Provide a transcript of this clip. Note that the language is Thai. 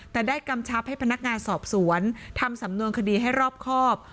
แต่ได้กำชับให้พนักงานสอบสวนทำสำนวนคดีให้รอบครอบ